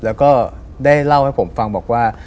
แล้วก็ได้เล่าให้ผมฟังบอกว่า